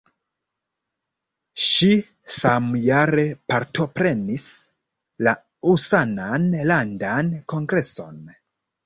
Ŝi samjare partoprenis la usonan landan kongreson.